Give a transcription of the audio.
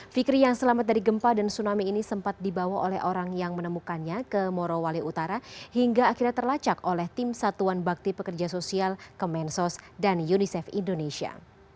fikri yang selamat dari gempa dan tsunami ini sempat dibawa oleh orang yang menemukannya ke morowali utara hingga akhirnya terlacak oleh tim satuan bakti pekerja sosial kemensos dan unicef indonesia